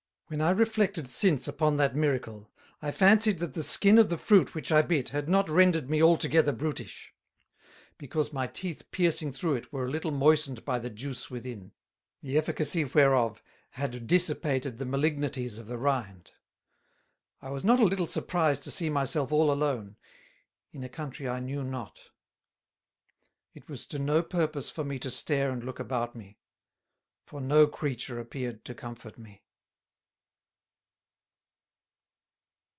When I reflected since upon that Miracle, I fanced that the skin of the Fruit which I bit had not rendered me altogether brutish; because my Teeth piercing through it were a little moistened by the Juyce within, the efficacy whereof had dissipated the Malignities of the Rind. I was not a little surprised to see my self all alone, in a Country I knew not. It was to no purpose for me to stare and look about me; for no Creature appeared to comfort me.